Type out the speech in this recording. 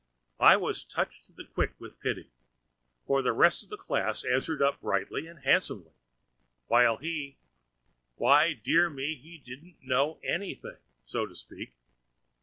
I was touched to the quick with pity; for the rest of the class answered up brightly and handsomely, while he—why, dear me, he didn't know anything, so to speak.